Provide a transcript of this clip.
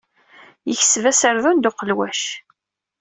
Yekseb aserdun d uqelwac.